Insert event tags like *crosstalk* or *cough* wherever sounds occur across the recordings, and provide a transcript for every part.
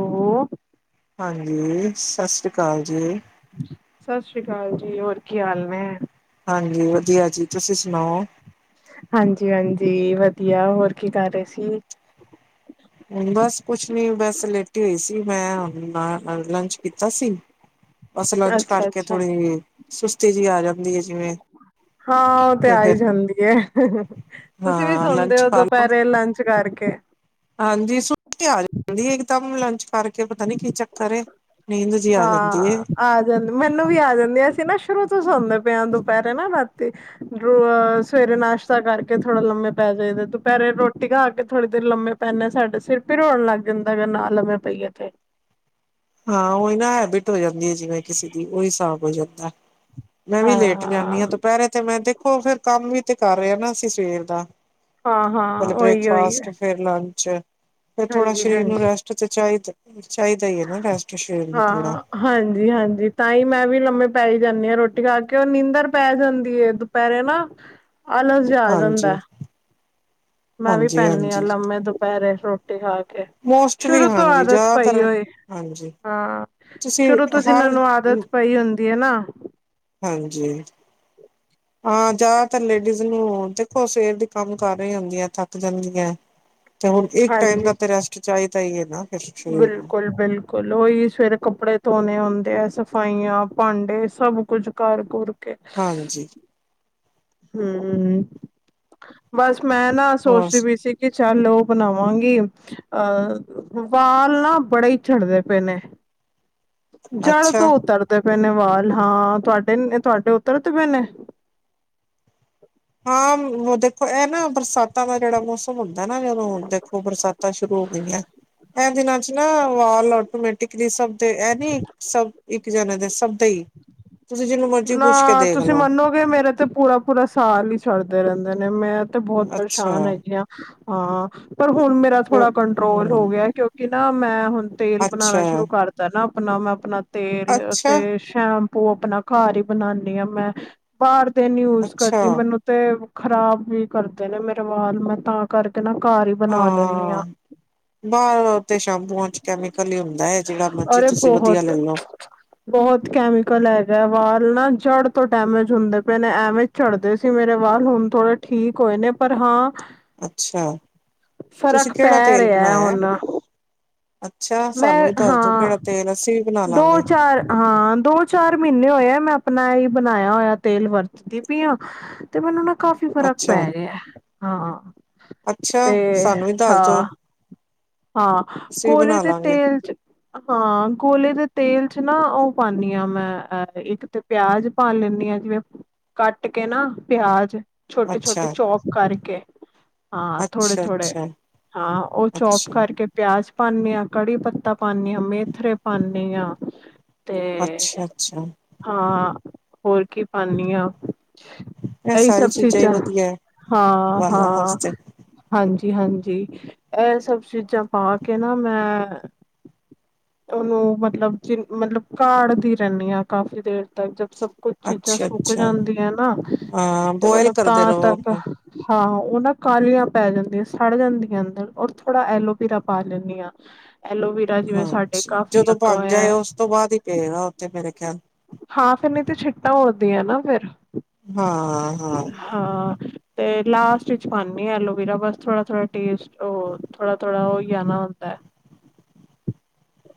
ਓ ਹਾਂਜੀ ਸਸਰੀ ਕਾਲ ਜੀ। ਸਸਰੀ ਕਾਲ ਜੀ ਹੋਰ ਕੀ ਹਾਲ ਨੇ? ਹਾਂਜੀ ਵਧੀਆ ਜੀ ਤੁਸੀਂ ਸੁਣਾਓ? ਹਾਂਜੀ-ਹਾਂਜੀ ਵਧੀਆ ਹੋਰ ਕੀ ਕਰ ਰਏ ਸੀ? ਬਸ ਕੁਛ ਨੀ ਬਸ ਲੇਟੀ ਹੋਈ ਸੀ ਮੈਂ ਲੰਚ ਕੀਤਾ ਸੀ *inaudible* ਬਸ ਲੰਚ ਅੱਛਾ ਕਰਕੇ ਅੱਛਾ ਥੋੜੀ, ਸੁਸਤੀ ਜੀ ਆ ਜਾਂਦੀ ਹੈ ਜੇਵੇਂ ਹਾਂ ਓ ਤੇ ਆਈ ਜਾਂਦੀ ਐ, ਤੁਸੀਂ ਵੀ ਹਾਂ ਸੋਂਦੇ ਲੰਚ ਓ ਖਾ ਲਓ ਦੁਪੈਰੇ ਲੰਚ ਕਰਕੇ? ਹਾਂਜੀ ਸੁ ਆ ਜਾਂਦੀ ਇਕਦਮ ਲੰਚ ਕਰਕੇ ਪਤਾ ਨੀ ਕੀ ਚੱਕਰ ਏ। ਨੀਂਦ ਜਿਹੀ ਆ ਜਾਂਦੀ ਹੈ ਹਾਂ ਆ ਜਾਂਦ ਮੈਨੂੰ ਵੀ ਆ ਜਾਂਦੀ ਅਸੀਂ ਨਾ ਸ਼ੁਰੂ ਤੋਂ ਸੌਦੇ ਪਏ ਆ ਦੁਪੈਰੇ ਨਾ ਰਾਤੀ ਦੁ ਅ ਸਵੇਰੇ ਨਾਸ਼ਤਾ ਕਰਕੇ ਥੋੜਾ ਲੰਮੇ ਪੈ ਜਾਈਦਾ ਦੁਪੈਰੇ ਰੋਟੀ ਖਾ ਕੇ ਥੋੜੀ ਦੇਰ ਲੰਮੇ ਪੈਨੇ ਸਾਡਾ ਸੇਰ ਪੀੜ ਹੋਣ ਲੱਗ ਜਾਂਦਾ ਨਾ ਲੰਮੇ ਪਈਏ ਤੇ ਹਾਂ ਓਈ ਨਾ ਹੈਬਿਟ ਹੋ ਜਾਂਦੀ ਐ ਜਿਵੇਂ ਕਿਸੇ ਦੀ ਓਈ ਸਾਬ ਹੋ ਜਾਂਦਾ ਮੈਂ ਵੀ ਹਾਂ ਲੇਟ ਜਾਂਨੀ ਆ ਦੁਪੈਰੇ ਤੇ ਮੈਂ ਦੇਖੋ ਫੇਰ ਕੰਮ ਵੀ ਤੇ ਕਰ ਰਏ ਨਾ ਅਸੀਂ ਸਵੇਰ ਦਾ। ਹਾਂ-ਹਾਂ ਓਈ-ਓਈ ਫੇਰ ਲੰਚ, ਫੇਰ ਥੋੜਾ ਸਰੀਰ ਨੂੰ ਹਾਂਜੀ ਰੈਸਟ ਤੇ ਚਾਈਦ ਚਾਈਦਾ ਈ ਰੈਸਟ ਸ਼ੇਰ ਨੂੰ ਥੋੜਾ ਹਾਂਜੀ-ਹਾਂਜੀ ਤਾਂ ਈ ਮੈਂ ਵੀ ਲੰਮੇ ਪੈ ਈ ਜਾਂਦੀ ਆ ਰੋਟੀ ਖਾ ਕੇ ਓ ਨੀਂਦਰ ਪੈ ਜਾਂਦੀ ਏ ਦੁ ਪੈਰੇ ਨਾ, ਆਲਸ ਆ ਹਾਂਜੀ ਜਾਂਦੈ। ਮੈਂ ਵੀ ਹਾਂਜੀ ਪੈਂਨੀ ਆ ਹਾਂਜੀ ਲੰਮੇ ਦੁਪੈਰੇ ਰੋ ਰੋਟੀ ਖਾ ਕੇ, ਮੋਸਟਲੀ ਸ਼ੁਰੂ ਤੋਂ ਹਾਂਜੀ ਆਦਤ ਪਈ ਜ਼ਿਆਦਾਤਰ ਹੋਏ ਹਾਂਜੀ ਹਾਂ, ਤੁਸੀਂ ਸ਼ੁਰੂ ਤੋਂ ਜੀਨਾਂ ਹਰ ਨੂੰ ਆਦਤ ਪਈ ਹੁੰਦੀ ਏ ਨਾ ਹਾਂਜੀ। *inaudible* ਹਾਂ ਜਾਦਾਤਰ ਲੇਡੀਜ਼ ਨੂੰ ਦੇਖੋ ਸਵੇਰ ਦੀ ਕੰਮ ਕਰ ਰਈ ਹੁੰਦੀ ਆਂ ਥੱਕ ਜਾਂਦੀਐ। ਤੇ ਹੋਰ ਏਕ ਟਾਈਮ ਦਾ ਤੇ ਰੈਸਟ ਚਾਈਦਾ ਈ ਐ ਨਾ। ਫਿਰ ਸਰੀਰ ਨੂੰ ਬੇਲਕੁਲ ਬੇਲ ਕੁਲ ਓਈ ਸਵੇਰੇ ਕੱਪੜੇ ਧੋਣੇ ਹੁੰਦੇ ਆ ਸਫਾਈਆਂ, ਭਾਂਡੇ ਸਭ ਕੁਝ ਕਰ ਘੁਰ ਕੇ ਹਾਂਜੀ। ਹੂੰ, ਬਸ ਮੈਂ ਨਾ ਹੋਰ ਸੋਚਦੀ ਪਈ ਸੀ ਕੇ ਚੱਲ ਓ ਬਣਾਵਾਂਗੀ ਆ, ਵਾਲ ਨਾ ਬੜੇ ਈ ਝੜਦੇ ਪਏ ਨੇ। ਜੜ ਤੋਂ ਅੱਛਾ ਉਤਰਦੇ ਪਏ ਨੇ ਵਾਲ ਹਾਂ ਤੁਹਾਡੇ-ਤੁਹਾਡੇ ਉਤਰਦੇ ਪਏ ਨੇ? *inaudible* ਹਾਂ ਉ ਦੇਖੋ ਏ ਨਾ ਬਰਸਾਤਾਂ ਦਾ ਜੇੜਾ ਮੌਸ ਹੁੰਦਾ ਨਾ ਜਦੋਂ ਹੁਣ ਦੇਖੋ ਬਰਸਾਤਾਂ ਸ਼ੁਰੂ ਹੋ ਗਈਆਂ ਐ ਦਿਨਾਂ ਚ ਨਾ ਵਾਲ ਆਟੋਮੇ ਏਕ ਨੀ ਸਭ ਤੇ ਐ ਨੀ, ਸਭ ਏਕ ਜਾਣੇ ਦੇ ਸਭ ਤੇ ਈ ਤੁਸੀਂ ਜੇਨੂੰ ਮਰਜ਼ੀ ਪੁੱਛ ਕੇ ਦੇਖ ਲੋ। ਮੇਰਾ ਤੇ ਪੂਰਾ-ਪੂਰਾ ਸਾਲ ਹੀ ਛੱੜਦੇ ਰਹਿੰਦੇ ਨੇ ਮੈਂ ਤੇ ਬਹੁਤ ਅੱਛਾ ਪਰੇਸ਼ਾਨ ਹੈਗੀ ਹ ਹਾਂ, ਪਰ ਹੁਣ ਮੇਰਾ ਥੋੜ੍ਹਾ ਕੰਟਰੋਲ ਹੋ ਹਮ ਗਿਆ ਕਿਉਂਕਿ ਨਾ ਮੈਂ ਹੁਣ। ਤੇਲ ਬਣਾਉਣਾ ਅੱਛਾ ਸ਼ੁਰੂ ਕਰਤਾ ਨਾ ਆਪਣਾ ਮੈਂ ਆਪਣਾ ਤੇਲ ਅੱਛਾ ਅਤੇ ਸ਼ੈਂਪੂ ਆਪਣਾ। ਘਰ ਹੀ ਬਣਾਉਦੀ ਹਾਂ ਮੈਂ ਬਾਹਰ ਦਿਨ ਯੂਜ ਅੱਛਾ ਕਰਦੀ ਮੈਨੂੰ। ਤੇ ਖ਼ਰਾਬ ਵੀ ਕਰਦੇ ਨੇ, ਮੇਰੇ ਵਾਲ ਮੈਂ ਤਾਂ ਆਪ। ਕਰਕੇ ਨਾ ਘਰ ਹੀ ਬਣਾ ਲੈਂਦੀ ਹਾਂ ਬਾਹਰ ਤੇ ਸੈਂਪੂਆਂ ਚ ਕੈਮੀਕਲ ਹੀ ਹੁੰਦਾ ਹੈ, ਜਿਹੜਾ ਮਰਜੀ ਅਰੇ ਤੁਸੀਂ ਵਧੀਆ ਬਹੁਤ ਲੈ ਲਓ। ਬਹੁਤ ਕੈਮੀਕਲ ਹੈ। ਮੇਰਾ ਵਾਲ ਨਾ ਜੜ ਤੋਂ ਡੈਮੇਜ ਹੁੰਦੇ ਪਏ ਨੇ ਐਵੇਂ ਝੜਦੇ ਸੀ ਮੇਰੇ ਵਾਲ ਹੁਣ ਥੋੜੇ। ਠੀਕ ਹੋਏ ਨੇ ਪਰ ਹਾਂ। ਅੱਛਾ ਤੁਸੀਂ ਫ਼ਰਕ ਕਿਹੜਾ ਪੈ ਤੇਲ ਰਿਹਾ ਬਣਾਇਆ। ਹੁਣ ਅੱਛਾ ਮੈਂ ਸਾਨੂੰ ਵੀ ਦੱਸਦੋ ਹਾਂ ਕਿਹੜਾ ਤੇਲ ਅਸੀਂ। ਬਣਾ ਦੋ ਲਾਂਗੇ -ਚਾਰ ਹਾਂ, ਦੋ -ਚਾਰ ਮਹੀਨੇ ਹੋਏ ਮੈਂ ਆਪਣਾ ਹੀ ਬਣਾਇਆ ਹੋਇਆ ਤੇਲ ਵਰਤ। ਦੀ ਪਈ ਹਾ, ਤੇ ਮੈਨੂੰ ਨਾ ਕਾਫ਼ੀ ਫ਼ਰਕ ਪੈ ਅੱਛਾ ਰਿਹਾ ਹਾਂ। ਅੱਛਾ, ਤੇ ਸਾਨੂੰ ਵੀ ਦੱਸ ਦੋ ਹਾਂ। ਹਾਂ, ਅਸੀਂ ਵੀ ਗੋਲੇ ਬਣਾ ਦੇ ਲਾਂਗੇ। ਤੇਲ ਚ ਹਾਂ। ਗੋਲੇ ਦੇ ਤੇਲ ਚ ਨਾ ਉਹ ਪਾਉਦੀ ਆ, ਮੈਂ ਅਹ ਇੱਕ ਤੇ ਪਿਆਜ ਪਾ ਲੈਂਦੀ ਹਾਂ ਜਿਵੇਂ। ਕੱਟ ਕੇ ਨਾ ਪਿਆਜ ਛੋਟੇ-ਛੋਟੇ ਅੱਛਾ, ਚੌਪ ਕਰਕੇ। ਹਾਂ ਅੱਛਾ, ਥੋੜੇ-ਥੋੜੇ, ਅੱਛਾ, ਹਾਂ ਉਹ ਚੋਪ ਅੱਛਾ, ਕਰਕੇ। ਪਿਆਜ ਪਾਉਦੇ ਹਾਂ, ਕੜੀ ਪੱਤਾ ਪਾਉਂਦੇ ਹਾਂ, ਮੇਥਰੇ ਪਾਉਦੇ ਹਾਂ। ਅੱਛਾ-ਅੱਛਾ ਹਾਂ ਹੋਰ ਕੀ ਪਾਂਨੀ ਹਾ। ਇਹ ਹੀ ਸਾਰੀ ਸਭ ਚੀਜ਼ਾਂ ਹੀ ਚੀਜਾਂ ਵਧੀਆ ਹੈ ਵਾਲਾਂ ਹਾਂ-ਹਾਂ। ਵਾਸਤੇ ਹਾਂਜੀ-ਹਾਂਜੀ ਇਹ ਸਭ ਚੀਜ਼ਾਂ ਪਾ ਕੇ ਨਾ ਮੈਂ ਉਹਨੂੰ ਮਤਲਬ ਜਿ ਮਤਲਬ ਕਾੜਦੀ ਰਹਿੰਦੀ ਹਾਂ ਕਾਫ਼ੀ ਦੇਰ ਤੱਕ ਜ ਸ ਕੁੱਝ ਚੀਜ਼ਾਂ ਅੱਛਾ, ਸੁੱਕ ਅੱਛਾ ਜਾਂਦੀਆਂ ਨਾ ਹਾਂ ਤੇ ਬੋਇਲ ਮਤਲਬ ਕਰਦੇ ਤਾਂ ਰਹੋ ਤੱਕ ਉਹਨੂੰ ਹਾਂ ਉਹ ਨਾ ਕਾਲੀਆਂ ਪੈ ਜਾਂਦੀਆਂ ਸੜ ਜਾਂਦੀਆਂ ਅੰਦਰ ਔਰ ਥੋੜ੍ਹਾ ਐਲੋਵੀਰਾ ਪਾ ਲੈਂਦੀ ਹਾਂ। ਐਲੋਵਰਾ ਜਿਵੇਂ ਸਾਡੇ। ਅੱਛਾ ਕਾਫ਼ੀ ਜਦੋਂ ਲੱਗਾ ਬਣ ਹੋਇਆ ਜਾਏ ਉਸ ਤੋਂ ਬਾਅਦ ਹੀ ਪਏਗਾ ਉੱਥੇ ਮੇਰੇ ਖਿਆਲ। ਹਾਂ ਫਿਰ ਨਹੀਂ ਤੇ ਛਿੱਟਾਂ ਉੱਡਦੀਆਂ ਨਾ ਫਿਰ। ਹਾਂ-ਹਾਂ। ਹਾਂ। ਤੇ ਲਾਸਟ ਚ ਪਾਉਂਦੀ ਐਲੋਵੀਰਾ ਬਸ ਥੋੜ੍ਹਾ-ਥੋੜ੍ਹਾ ਟੇਸਟ ਉਹ ਥੋੜ੍ਹਾ-ਥੋੜ੍ਹਾ ਹੋ ਜਾਣਾ ਹੁੰਦਾ।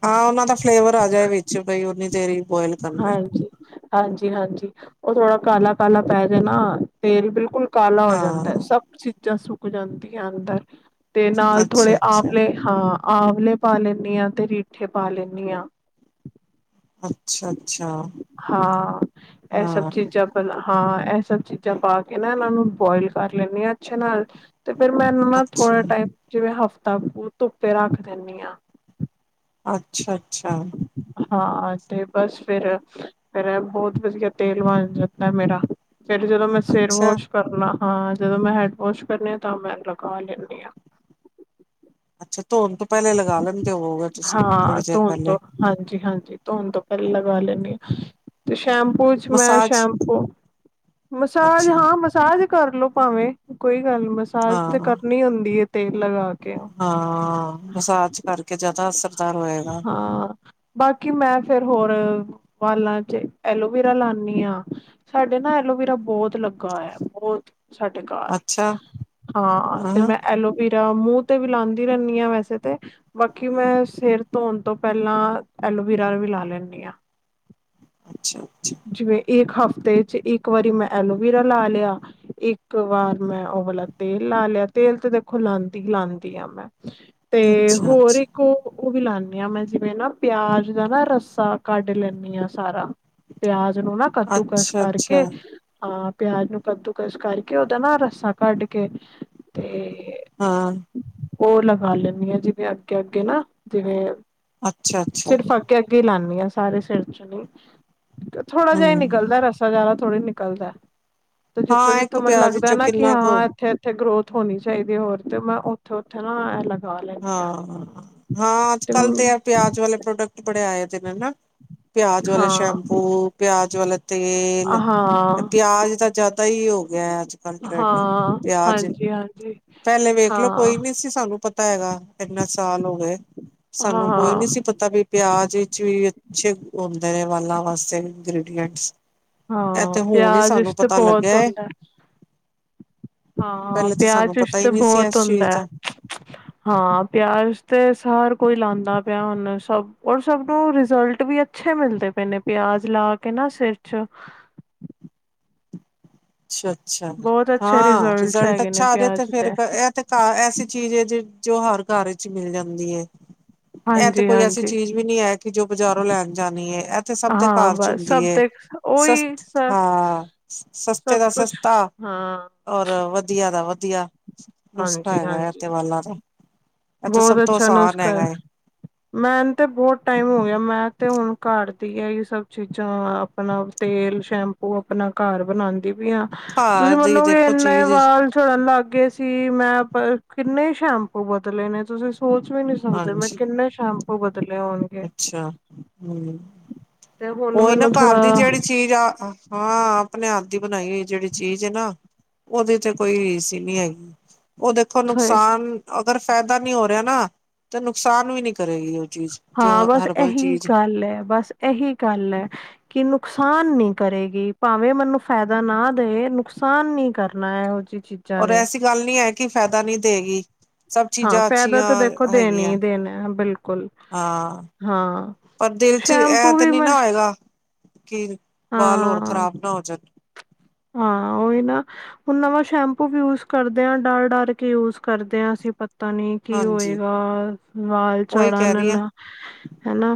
ਹਾਂ ਉਹਨਾਂ ਦਾ ਫਲੇਵਰ ਆ ਜਾਏ ਵਿੱਚ ਬਈ ਉਨੀ ਦੇਰ ਹੀ ਬੋਇਲ। ਕਰਨਾ। ਹਾਂਜੀ-ਹਾਂਜੀ-ਹਾਂਜੀ ਉਹ ਥੋੜਾ ਕਾਲਾ-ਕਾਲਾ ਪੈ ਜਾਣਾ ਤੇਲ ਬਿਲਕੁਲ। ਕਾਲਾ ਹੋ ਜਾਂਦਾ ਹੈ, ਹਾਂ ਸਭ ਚੀਜ਼ਾਂ ਸੁੱਕ ਜਾਂਦੀਆਂ ਅੰਦਰ ਤੇ ਨਾਲ ਅੱਛਾ, ਥੋੜੇ ਅੱਛਾ, ਆਵਲੇ--ਆਵਲੇ। ਹਾਂ ਆਵਲੇ ਪਾ ਲੈਂਦੀ ਹਾਂ, ਤੇ ਰੀਠੇ ਪਾ ਲੈਂਦੀ ਹਾਂ। ਅੱਛਾ-ਅੱਛਾ। ਹਾਂ ਇਹ ਸਭ ਚੀਜਾਂ। ਹਾਂ ਇਹ ਸਭ ਚੀਜ਼ਾਂ ਪਾ ਕੇ ਨਾ ਇਹਨਾਂ ਨੂੰ ਬੋਇਲ ਕਰ ਲੈਂਦੇ ਹਾਂ ਅੱਛੇ ਨਾਲ। ਤੇ ਫਿਰ ਮੈ ਉਹਨੂੰ ਨਾ ਅੱਛਾ, ਥੋੜੇ ਟਾਈਮ ਜਿਵੇਂ ਹਫ਼ਤਾ ਕੁ ਧੁੱਪੇ ਰੱਖ ਦਿੰਦੀ ਆ। ਅੱਛਾ-ਅੱਛਾ। ਹਾਂ ਤੇ ਬਸ ਫਿਰ-ਫਿਰ ਬਹੁਤ ਵਧੀਆ ਤੇਲ ਬਣ ਜਾਣਦਾ ਮੇਰਾ ਫਿਰ ਜਦੋਂ ਮੈਂ ਸਿਰ ਅੱਛਾ ਵਾਸ਼ ਕਰਨਾ ਹਾਂ ਜਦੋਂ ਮੈਂ ਹੈਡ ਵੋਸ਼ ਕਰਨੀ ਆ ਤਾਂ ਮੈਂ ਲਗਾ ਲੈਂਦੀ ਹਾਂ। ਅੱਛਾ ਧੋਣ ਤੋਂ ਪਹਿਲੇ ਲਗਾ ਲੈਣਦੇ ਹੋਗੇ ਤੁਸੀਂ ਥੋੜੀ ਚਿਰ ਪਹਿਲੇ। ਹਾਂਜੀ-ਹਾਂਜੀ ਧੋਣ ਤੋਂ ਪਹਿਲਾਂ ਲਗਾ ਲੈਂਨੀ ਤੇ ਸ਼ੈਂਪੂ 'ਚ ਮੈਂ ਮਸਾਜ ਸ਼ੈਪੂ ਮਸਾਜ ਅੱਛਾ ਹਾਂ ਮਸਾਜ ਮਸਾਜ ਕਰਲੋ ਭਾਵੇਂ, ਕੋਈ ਗੱਲ ਮਸਾਜ ਤੇ ਹਾਂ ਕਰਨੀ ਹੁੰਦੀ ਤੇਲ ਲਗਾ ਕੇ ਹਾਂ ਮਸਾਜ ਕਰਕੇ ਜਾਦਾ ਅਸਰਦਾਰ ਹੋਏਗਾ। ਹਾਂ ਬਾਕੀ ਮੈਂ ਫੇਰ ਹੋਰ ਵਾਲਾਂ 'ਚ ਐਲੋਵਰਾ ਲਾਨੀ ਆਂ। ਸਾਡੇ ਨਾ ਐਲੋਵੀਰਾ ਬੋਤ ਲੱਗਾ ਹੋਇਆ ਬੋਤ। ਸਾਡੇ ਘਰ, ਅੱਛਾ ਹਾਂ ਤੇ ਮੈਂ ਐਲੋਵੀਰਾ ਮੂੰਹ ਤੇ ਵੀ ਲਾਂਦੀ ਰਹਿੰਦੀ ਆਂ ਵੈਸੇ ਵੈਸੇ ਤੇ ਬਾਕੀ ਮੈਂ ਸਿਰ ਧੋਨ ਤੋਂ ਪਹਿਲਾਂ ਐਲੋਵੀਰਾ ਵੀ ਲਾ ਲੈਂਨੀ ਆ। *unintelligible* ਅੱਛਾ-ਅੱਛਾ। ਜਿਵੇਂ ਇੱਕ ਹਫ਼ਤੇ 'ਚ ਇੱਕ ਵਾਰੀ ਮੈਂ ਐਲੋਵੀਰਾ ਲਾ ਲਿਆ। ਇੱਕ ਵਾਰ ਮੈਂ ਓ ਵਾਲਾ ਤੇਲ ਲਾ ਲਿਆ, ਤੇਲ ਤੇ ਦੇਖੋ ਲਾਂਦੀ, ਲਾਂਦੀ ਆ ਮੈਂ। ਤੇ ਅੱਛਾ ਹੋਰ ਅੱਛਾ ਇੱਕ ਓ ਵੀ ਲਾਨੀ ਆਂ ਮੈਂ ਜਿਵੇਂ ਨਾ ਪਿਆਜ਼ ਦਾ ਨਾ ਰੱਸਾ ਕੱਢ ਲੈਂਨੀ ਆਂ ਸਾਰਾ। ਪਿਆਜ ਨੂੰ ਨਾ ਕੱਦੂਕਸ ਅੱਛਾ ਕਰਕੇ ਅੱਛਾ ਆਂ, ਪਿਆਜ ਨੂੰ ਕੱਦੂਕਸ ਕਰਕੇ ਓਦਾ ਨਾ ਰੱਸਾਂ ਕੱਢ ਕੇ ਤੇ ਹਾਂ। ਓ ਲਗਾ ਲੈਂਨੀ ਆ ਜਿਵੇਂ ਅੱਗੇ-ਅੱਗੇ ਨਾ ਜਿਵੇਂ ਅੱਛਾ-ਅੱਛਾ। ਅੱਗੇ-ਅੱਗੇ ਲਾਨੀ ਆ ਸਾਰੇ ਸਿਰ 'ਚ ਨੀ, ਥੋੜਾ ਜਿਹਾ ਈ ਹਮ ਨਿਕਲਦਾ ਰਸ ਜਾਦਾ ਥੋੜ੍ਹੀ ਨਿਕਲਦਾ ਤੇ ਹਾਂ ਇੱਕ ਜਿੱਥੋਂ-ਜਿੱਥੋਂ ਮੈਨੂੰ ਪਿਆਜ ਲੱਗਦਾ ਵਿੱਚੋਂ ਨਾ ਕਿ ਕਿੰਨਾ ਕੁ ਹਾਂ ਏਥੇ ਜਿੱਥੇ ਗਰੋਥ ਹੋਨੀ ਚਾਹੀਦੀ ਹੋਰ ਤੇ ਮੈਂ ਓਥੇ-ਓਥੇ ਨਾ ਏ ਲੱ ਹਾਂ, ਹਾਂ ਅੱਜ-ਕੱਲ੍ਹ ਤੇ ਐ ਪਿਆਜ ਵਾਲੇ ਪ੍ਰੋਡਕਟ ਬੜੇ ਆਏ ਦੇ ਨਾ। ਪਿਆਜ਼ ਵਾਲੇ ਹਾਂ ਸ਼ੈਂਪੂ, ਪਿਆਜ਼ ਵਾਲੇ ਤੇਲ, ਹਾਂ ਪਿਆਜ਼ ਦਾ ਜਾਦਾ ਹੀ ਹੋ ਗਿਆ ਅੱਜ-ਕੱਲ ਟਰੈਂਡ ਪਿਆਜ਼ ਪਿਆਜ਼ ਵੀ ਪਹਿਲੇ ਵੇਖਲੋ ਕੋਈ ਨੀ ਸੀ ਸਾਨੂੰ ਪਤਾ ਹੈਗਾ, ਏਨੇ ਸਾਲ ਹੋ ਗਏ ਸਾਨੂੰ ਕੋਈ ਹਾਂ ਨੀ ਸੀ ਪਤਾ ਵੀ ਪਿਆਜ਼ ਵਿੱਚ ਵੀ ਅੱਛੇ ਹੁੰਦੇ ਨੇ ਵਾਲਾਂ ਵਾਸਤੇ ਇੰਗ੍ਰਿਡੀਂਟਸ। ਐ ਹਾਂ ਤੇ ਹੁਨ ਈ ਪਿਆਜ ਵਿੱਚ ਸਾਨੂੰ ਤੇ ਪਤਾ ਬਹੁਤ ਲੱਗਿਆ ਐ। ਹੁੰਦਾ ਹਾਂ ਸਾਨੂੰ ਪਿਆਜ਼ ਵਿੱਚ ਪਤਾ ਹੀ ਤੇ ਨਹੀਂ ਸੀ ਬਹੁਤ ਇਸ ਚੀਜ਼ ਹੁੰਦਾ। ਦਾ ਹਾਂ ਪਿਆਜ਼ ਵਿੱਚ ਤੇ ਹਰ ਕੋਈ ਲਾਉਂਦਾ ਪਿਆ ਹੁਨ, ਸਭ ਔਰ ਸਭ ਨੂੰ ਰਿਜ਼ਲਟ ਵੀ ਅੱਛੇ ਮਿਲਦੇ ਪਏ ਨੇ ਪਿਆਜ਼ ਲਾ ਕੇ ਨਾ ਸਿਰ ਚ ਅੱਛਾ-ਅੱਛਾ ਬਹੁਤ ਅੱਛੇ ਹਾਂ, ਰਿਜ਼ਲਟਸ ਰਿਜ਼ਲਟ ਹੈਗੇ ਨੇ ਅੱਛਾ ਆ ਜੇ ਤੇ ਪਿਆਜ ਫੇਰ ਐ ਤੇ ਘਰ ਐਸੀ ਚੀਜ਼ ਏ ਜੋ ਹਰ ਘਰ ਚ ਮਿਲ ਜਾਂਦੀ ਏ, ਐ ਤੇ ਕੋਈ ਐਸੀ ਹਾਂਜੀ-ਹਾਂਜੀ ਚੀਜ਼ ਵੀ ਨੀ ਐ ਕਿ ਜੋ ਬਾਜ਼ਾਰੋਂ ਲੈਨ ਜਾਣੀ ਐ, ਐ ਤੇ ਤੇ ਸਭ ਦੇ ਹਾਂ ਘਰ 'ਚ ਬਸ ਹੁੰਦੀ ਸਭ ਏ, ਦੇ ਉਹੀ ਸਸਤ ਸ ਹਾਂ ਸਸਤ ਸਸਤੇ ਸਭ ਦਾ ਕੁਛ ਸਸਤਾ ਹਾਂ ਔਰ ਵਧੀਆ ਦਾ ਵਧੀਆ। ਨੁਸਖਾ ਹੈਗਾ ਐ ਤੇ ਵਾਲਾ ਦਾ। ਇਹ ਤਾਂ ਸਭ ਬੋਤ ਤੋਂ ਅੱਛਾ ਆਸਾਨ ਨੁਸਖ਼ਾ ਹੈਗਾ ਹੈ ਐ। ਮੈਨ ਤੇ ਬੋਤ ਟਾਈਮ ਹੋ ਗਿਆ ਮੈਂ ਤੇ ਹੁਨ ਘਰ ਦੀ ਏਈ ਸਭ ਚੀਜ਼ਾਂ ਅਪਨਾ ਤੇਲ, ਸ਼ੈਂਪੂ ਅਪਨਾ ਘਰ ਬਨਾਂਦੀ ਪਈ ਆ। ਤੁਸੀਂ ਘਰ ਦੀ ਮੰਨੋਗੇ ਦੇਖੋ ਏਨੇ ਚੀਜ਼ ਵਾਲ ਝੜਨ ਲੱਗ ਗਏ ਕਿ ਮੈਂ ਕਿੰਨੇ ਈ ਸ਼ੈਂਪੂ ਬਦਲੇ ਨੇ, ਤੁਸੀਂ ਸੋਚ ਵੀ ਨੀ ਸਕਦੇ, ਮੈਂ ਹਾਂਜੀ ਕਿੰਨੇ ਸ਼ੈਂ ਸ਼ੈਂਪੂ ਬਦਲੇ ਹੋਨਗੇ ਅੱਛਾ ਹਮ ਤੇ ਹੁਨ ਉਹੀ ਨਾ ਮੈਨੂੰ ਘਰ ਦੀ ਥੋੜਾ ਜਿਹੜੀ ਚੀਜ਼ ਆ, ਹਾਂ, ਆਪਣੇ ਹੱਥ ਦੀ ਬਣਾਈ ਹੋਈ ਜਿਹੜੀ ਚੀਜ਼ ਏ ਨਾ ਉਹਦੀ ਤੇ ਕੋਈ, ਰੀਸ ਨੀ ਹੈਗੀ। ਉਹ ਦੇਖੋ ਨੁਕਸਾਨ, ਅਗਰ ਫਾਇਦਾ ਨੀ ਹੋ ਰਿਹਾ ਨਾ, ਤੇ ਨੁਕਸਾਨ ਵੀ ਨੀ ਕਰੇਗੀ ਉਹ ਚੀਜ਼। ਜੋ ਹਾਂ ਬਸ ਹਰਬਲ ਐਹੀ ਚੀਜ਼ ਗੱਲ ਐ, ਬਸ ਐਹੀ ਗੱਲ ਐ। ਕਿ ਨੁਕਸਾਨ ਨੀ ਕਰੇਗੀ, ਭਾਵੇਂ ਮਨੂੰ ਫਾਇਦਾ ਨਾ ਦੲਏ ਨੁਕਸਾਨ ਨੀ ਕਰਦੀ। ''ਮੈਂ ਇਹੋ ਜਿਹੀ ਚੀਜ ਔਰ ਐਸੀ ਗੱਲ ਨਹੀਂ ਐ ਕਿ ਫਾਇਦਾ ਨਹੀਂ ਦੇਗੀ। ਸਭ ਹਾਂ ਚੀਜ਼ਾਂ ਫਾਇਦਾ ਅੱਛੀਆਂ ਤਾਂ ਦੇਖੋ ਦੇਣਾ ਹੈਗੀਆਂ, ਹੀ ਦੇਣਾ ਬਿਲਕੁਲ ਹਾਂ। ਹਾਂ ਪਰ ਦਿਲ ਚ ਸ਼ੈਂਪੂ ਐਤੇ ਵੀ ਨੀ ਮੈਂ ਨਾ ਆਏਗਾ ਕੀ, ਵਾਲ ਹੋਰ ਹਾਂ ਖਰਾਬ ਨਾ ਹੋ ਜਾਣ। ਹਾਂ, ਉਹੀ ਨਾ। ਹੁਣ ਨਵਾਂ ਸ਼ੈਂਪੂ ਵੀ ਯੂਜ ਕਰਦੇ ਆਂ, ਡਰ-ਡਰ ਕੇ ਯੂਜ ਕਰਦੇ ਹਾਂ ਅਸੀਂ ਪਤਾ ਨੀ ਕੀ ਹਾਂਜੀ ਹੋਏਗਾ, ਵਾਲ ਉਹੀ ਕਹਿ ਚੜਨ ਰਹੀ ਹਾਂ ਨਾ ਹੈਨਾ,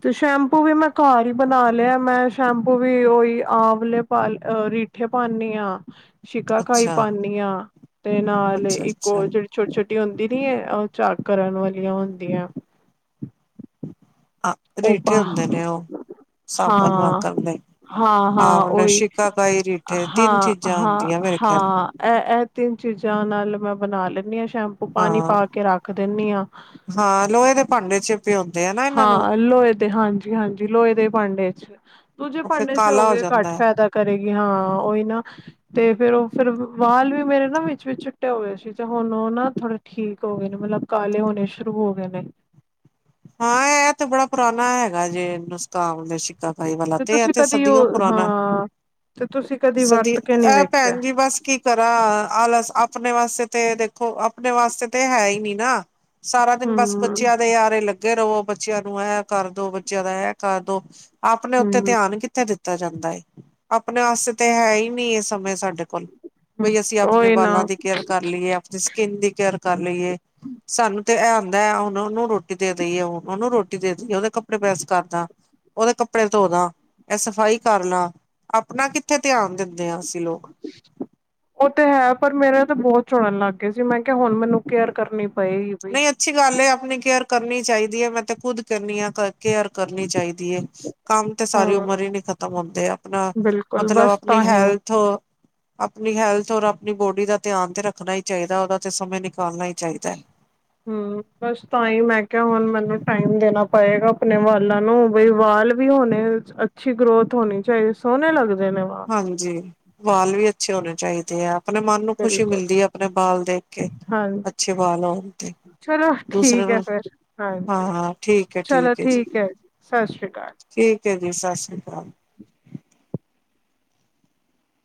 ਤੇ ਸ਼ੈਂਪੂ ਵੀ ਮੈਂ ਘਰ ਹੀ ਬਣਾ ਲਿਆ ''ਮੈਂ ਸ਼ੈਂਪੂ ਵੀ ਉਈ, ਆਵਲੇ ਪਾ ਅ ਰੀਠੇ ਪਾਂਨੀ ਆਂ। ਸ਼ਿਕਾਕਾਈ ਅੱਛਾ ਪਾਂਨੀ ਆਂ, ਤੇ ਨਾਲ ਅੱਛਾ ਇੱਕ ਅੱਛਾ ਓ ਜਿਹੜੀ ਛੋਟੀ-ਛੋਟੀ ਹੁੰਦੀ ਨੀ ਏ, ਉਹ ਚਾਕ ਕਰਨ ਵਾਲੀਆਂ ਹੁੰਦੀਆਂ। ਹਾਂ ਉਹ ਰੀਠੇ ਪਾ ਹੁੰਦੇ ਨੇ ਉਹ, ਸਾਬਣ ਹਾਂ ਵਾਕਣ ਦੇ। ਹਾਂ-ਹਾਂ, ਆਹੋ ਓਹੀ, ਲਸ਼ਿਕਾ ਕਾਈ ਰੀਠੇ ਤਿੰਨ ਚੀਜ਼ਾਂ ਹੁੰਦੀਆਂ ਮੇਰੇ ਖਿਆਲ ਹਾਂ-ਹਾਂ-ਹਾਂ ਐ-ਐ ਤਿੰਨ ਚੀਜ਼ਾਂ ਨਾਲ ਮੈਂ ਬਣਾ ਲੈਂਨੀ ਆਂ ਸ਼ੈਂਪੂ ਪਾਣੀ ਹਾਂ ਪਾਕੇ ਰੱਖ ਦਿੰਨੀ ਹਾਂ। ਹਾਂ, ਲੋਹੇ ਦੇ ਭਾਂਡੇ'ਚ। ਤੇ ਹੁੰਦੇ ਹਨਾ। ਹਾਂ, ਲੋਹੇ ਦੇ ਹਾਂਜੀ-ਹਾਂਜੀ ਲੋਹੇ ਦੇ ਭਾਂਡੇ'ਚ। ਦੂਜੇ ਉਹ ਫਿਰ ਭਾੰਡੇ'ਚ ਹੋ ਕਾਲਾ ਗਏ ਘੱਟ ਜਾਂਦਾ ਹੈ ਫਾਇਦਾ ਕਰੇਗੀ ਹਾਂ, ਓਹੀ ਨਾ। ਤੇ ਫੇਰ ਉਹ ਫੇਰ ਵਾਲ ਵੀ ਮੇਰੇ ਨਾ ਵਿੱਚ-ਵਿੱਚ ਚਿੱਟੇ ਹੋਗੇ ਸੀ, ਤੇ ਹੁਣ ਉਹ ਨਾ ਥੋੜੇ ਠੀਕ ਹੋ ਗਏ ਨੇ, ਮਤਲਬ ਕਾਲੇ ਹੋਣੇ ਸ਼ੁਰੂ ਹੋ ਗਏ ਨੇ। ਹਾਂ, ਐ ਤੇ ਬੜਾ ਪੁਰਾਣਾ ਹੈਗਾ ਜੇ, ਨੁਸਖ਼ਾ, ਆਮਲੇ, ਸ਼ਿਕ ਭਾਈ ਵਾਲਾ ਤੇ ਆ ਤੁਸੀਂ ਤੇ, ਏ ਤੇ ਕਦੀ ਸਦੀਓ ਉਹ ਪੁਰਾਣਾ। ਹਾਂ ਤੇ ਤੁਸੀਂ ਕਦੀ ਸਦੀ, ਵਰਤ ਕੇ ਨਹੀਂ ਐ ਵੇਖਿਆ ਭੈਣ ਜੀ, ਬਸ ਕੀ ਤਰਾਂ, ਆਲਸ ਆਪਣੇ ਵਾਸਤੇ ਤੇ ਦੇਖੋ, ਆਪਣੇ ਵਾਸਤੇ ਤੇ ਹੈਹੀ ਨੀ ਨਾ। ਸਾਰਾ ਦਿਨ ਬਸ ਬੱਚਿਆਂ ਹੂੰ-ਹੂੰ-ਹੂੰ ਦੇ ਆਰੇ ਲੱਗੇ ਰਵੋ, ਬੱਚਿਆਂ ਨੂੰ ਐ ਕਰਦੋ, ਬੱਚਿਆਂ ਦਾ ਐ ਕਰਦੋ। ਆਪਣੇ ਉੱਤੇ ਧਿਆਨ ਕਿੱਥੇ ਦਿੱਤਾ ਦਿੱਤਾ ਜਾਂਦਾ ਏ, ਅਪਣੇ ਵਾਸਤੇ ਤੇ ਹੈਹੀ ਨਹੀਂ ਏ, ਇਹ ਸਮੇਂ ਸਾਡੇ ਕੋਲ। ਬਈ ਅਸੀਂ ਆਪਣੇ ਉਹੀ ਨਾ ਬਾਲਾਂ ਦੀ ਕੇਅਰ ਕਰ ਲੀਏ, ਆਪਣੀ ਸਕਿੰਨ ਦੀ ਕੇਅਰ ਕਰ ਲੀਏ, ਸਾਨੂੰ ਤੇ ਆਂਦਾ ਹੈ ਉਹ ਉਹਨੂੰ ਰੋਟੀ ਦੇ ਦੀਏ ਹੂਣ, ਉਹਨੂੰ ਰੋਟੀ ਦੇ ਦਈਏ, ਉਹਦੇ ਕੱਪੜੇ ਪ੍ਰੈਸ ਕਰਦਾ। ਉਹਦੇ ਕੱਪੜੇ ਧੋਦਾਂ, ਇਹ ਸਫ਼ਾਈ ਕਰਲਾਂ। ਆਪਣਾ ਕਿੱਥੇ ਧਿਆਨ ਦਿੰਦੇ ਆਂ, ਅਸੀਂ ਲੋਕ। ਉਹ ਤੇ ਹੈ, ਪਰ ਮੇਰੇ ਤੇ ਬਹੁਤ ਝੜਨ ਲੱਗਗੇ ਸੀ, ਮੈਂ ਕਿਹਾ ਹੁਣ ਮੈਨੂੰ ਕੇਅਰ ਕਰਨੀ ਪਏਗੀ ਬਈ। ਨਹੀਂ ਅੱਛੀ ਗੱਲ ਏ, ਅਪਣੀ ਕੇਅਰ ਕਰਨੀ ਚਾਹੀਦੀ ਏ, 'ਮੈਂ ਤੇ ਖੁੱਦ ਕਰਨੀ ਆਂ, ਕੇਅਰ ਕਰਨੀ ਚਾਹੀਦੀ ਏ। ਕੰਮ ਤੇ ਸਾਰੀ ਹਾਂ ਉਮਰ ਹੀ ਨੀ ਖਤਮ ਹੁੰਦੇ ਅਪਣਾ, ਬਿਲਕੁਲ ਮਤਲਬ ਬਸ ਆਪਣੀ ਤਾਂ ਹੀ ਹੈਲਥ ਅਪਣੀ ਹੈਲਥ ਔਰ ਅਪਣੀ ਬੋਡੀ ਦਾ ਧਿਆਨ ਤੇ ਰੱਖਣਾ ਹੀ ਚਾਹੀਦਾ, ਉਹਦਾ ਤੇ ਸਮੇਂ ਨਿਕਾਲਣਾ ਹੀ ਚਾਹੀਦੈ। ਹੂੰ, ਬਸ ਤਾਂ ਹੀ ''ਮੈਂ ਕਿਹਾ ਹੁਣ ਮਨੂੰ ਟਾਈਮ ਦੇਣਾ ਪਏਗਾ ਆਪਣੇ ਵਾਲਾਂ ਨੂੰ, ਬਈ ਵਾਲ ਵੀ ਹੋਣੇ, ਅੱਛੀ ਗਰੋਥ ਹੋਣੀ ਚਾਹੀਦੀ ਸੋਹਣੇ ਲੱਗਦੇ ਨੇ ਵਾਲ। ਹਾਂਜੀ ਵਾਲ ਵੀ ਅੱਛੇ ਹੋਣੇ ਚਾਹੀਦੇ ਆ ਆਪਣੇ ਮਨ ਨੂੰ ਖੁਸ਼ੀ ਬਿਲਕੁਲ ਮਿਲਦੀ ਹੈ ਆਪਣੇ ਬਾਲ ਦੇਖ ਕੇ, ਹਾਂਜੀ ਅੱਛੇ ਬਾਲ ਹੋਣ ਤੇ ਚਲੋ ਦੂਸਰੇ ਠੀਕ ਹੈ ਨੂੰ ਫਿਰ ਹਾਂ ਹਾਂਜੀ, ਹਾਂ ਠੀਕ ਹੈ ਚਲੋ ਠੀਕ ਹੈ ਜੀ ਸਤਿ ਸ੍ਰੀ ਅਕਾਲ ਠੀਕ ਹੈ ਜੀ ਸਤਿ ਸ਼੍ਰੀ ਅਕਾਲ